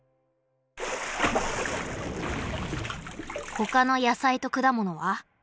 ほかの野菜と果物は？